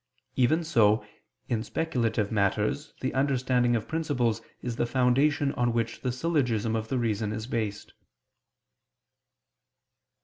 Even so, in speculative matters the understanding of principles is the foundation on which the syllogism of the reason is based.